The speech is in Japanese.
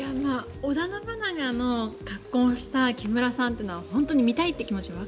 織田信長の格好をした木村さんというのは本当に見たいという気持ち